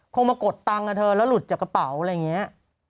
มากดตังค์กับเธอแล้วหลุดจากกระเป๋าอะไรอย่างนี้